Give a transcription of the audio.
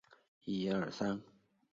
它位于钱江一桥与钱江三桥之间。